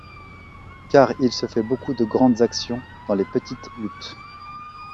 Car il se fait beaucoup de grandes actions dans les petites luttes.